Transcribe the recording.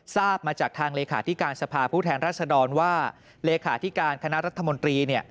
ทราบมาจากทางเลขาธิการสภาผู้แทนรัศดรว่าเลขาธิการคณะรัฐมนตรี